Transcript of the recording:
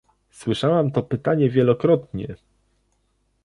Słyszałam to pytanie wielokrotnie